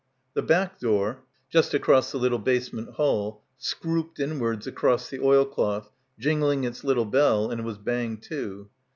The back door, just across the little basement hall, scrooped inwards across the oilcloth, jingling its little bell, and was banged to.